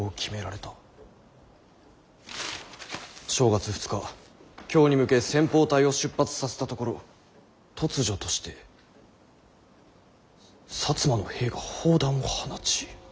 正月２日京に向け先鋒隊を出発させたところ突如として摩の兵が砲弾を放ち」。